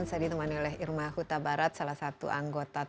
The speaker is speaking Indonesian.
saya ditemani oleh irma huta barat salah satu anggota tim pakar nasional persiapan kpk